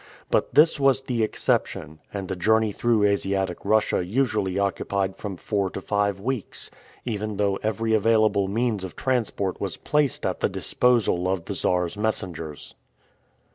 But this was the exception, and the journey through Asiatic Russia usually occupied from four to five weeks, even though every available means of transport was placed at the disposal of the Czar's messengers.